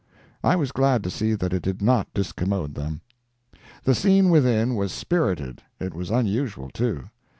I was glad to see that it did not discommode them. The scene within was spirited—it was unusual, too.